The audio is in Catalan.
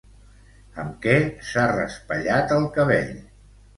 Amb què s'ha raspallat el cabell?